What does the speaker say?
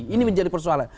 ini menjadi persoalan